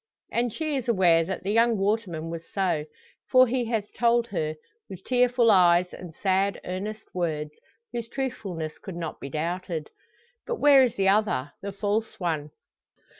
And she is aware that the young waterman was so. For he has told her, with tearful eyes and sad, earnest words, whose truthfulness could not be doubted. But where is the other, the false one?